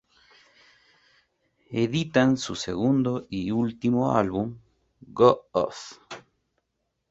Editan su segundo y último álbum, Go Off!